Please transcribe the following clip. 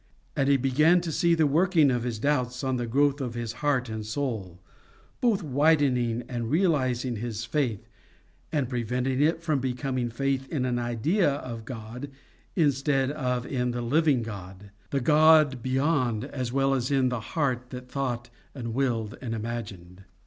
And he began to see the working of his doubts on the growth of his heart and soul both widening and realizing his faith, and preventing it from becoming faith in an idea of God instead of in the living God the God beyond as well as in the heart that thought and willed and imagined.